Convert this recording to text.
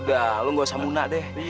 udah lu nggak usah muna deh